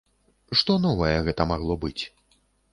Што новае гэта магло быць?